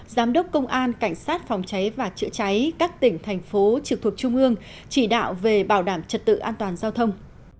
giám đốc công an cảnh sát phòng cháy và chữa cháy các tỉnh thành phố trực thuộc trung ương chỉ đạo về bảo đảm trật tự an toàn giao thông